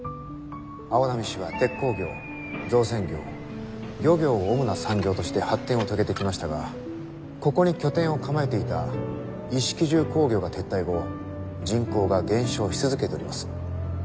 青波市は鉄鋼業造船業漁業を主な産業として発展を遂げてきましたがここに拠点を構えていた一色重工業が撤退後人口が減少し続けております。